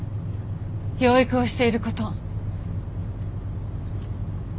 養育をしていること」。